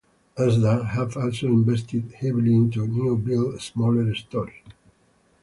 Asda have also invested heavily into new build smaller stores.